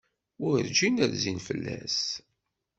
Werǧin rzin fell-as.